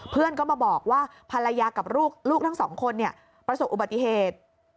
เพื่อนก็มาบอกว่าภรรยากับลูกทั้งสองคนประสบอุบัติเหตุ